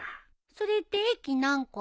それって駅何個？